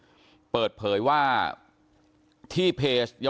สวัสดีคุณผู้ชมครับสวัสดีคุณผู้ชมครับ